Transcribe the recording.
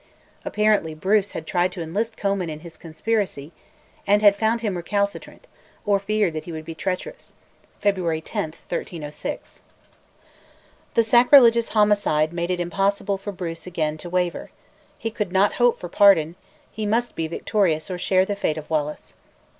Apparently Bruce had tried to enlist Comyn in his conspiracy, and had found him recalcitrant, or feared that he would be treacherous (February 10, 1306). The sacrilegious homicide made it impossible for Bruce again to waver. He could not hope for pardon; he must be victorious or share the fate of Wallace.